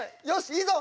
いいぞ！